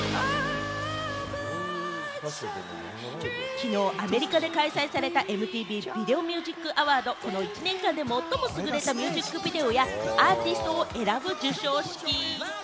きのうアメリカで開催されたＭＴＶＶｉｄｅｏＭｕｓｉｃＡｅａｒｄｓ、この１年間で最も優れたミュージックビデオやアーティストを選ぶ授賞式。